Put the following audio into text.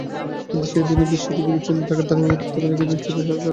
কিন্তু সেদিনও বিশ্ব থেকে বিচ্ছিন্ন থাকার ধারাবাহিকতা ধরে রেখেছিল চীনা সরকার।